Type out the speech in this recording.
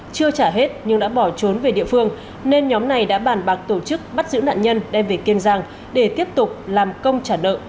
chưa trả hết nhưng đã bỏ trốn về địa phương nên nhóm này đã bàn bạc tổ chức bắt giữ nạn nhân đem về kiên giang để tiếp tục làm công trả nợ